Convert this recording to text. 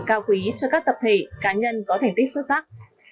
cao quý cho các tập thể cá nhân có thành tích xuất sắc